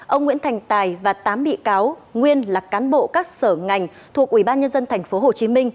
ông nguyễn thành tài và tám bị cáo nguyên là cán bộ các sở ngành thuộc ubnd tp hcm